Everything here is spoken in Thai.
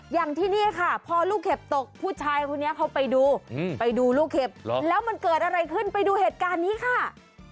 อย่างที่นี่ค่ะพอลูกเห็บตกผู้ชายคนนี้เขาไปดูไปดูลูกเห็บแล้วมันเกิดอะไรขึ้นไปดูเหตุการณ์นี้ค่ะ